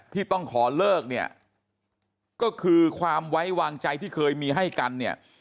ที่ต้องขอเลิกเนี่ยก็คือความไว้วางใจที่เคยมีให้กันเนี่ย